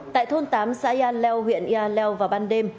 tại thôn tám xã yaleo huyện yaleo vào ban đêm